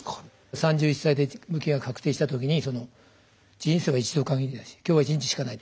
３１歳で無期が確定したときに「人生は一度限りだし今日は１日しかない。